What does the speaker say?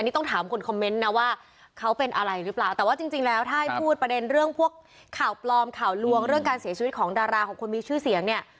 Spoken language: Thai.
แต่เรื่องพวกข่าวปลอมข่าวลวงเรื่องการเสียชีวิตของดาราของคนมีชื่อเสียงเนี่ย